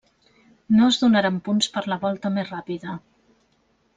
No es donaren punts per la volta més ràpida.